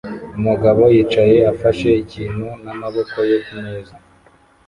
Umugabo yicaye afashe ikintu n'amaboko ye kumeza